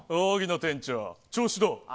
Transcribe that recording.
店長、調子どう。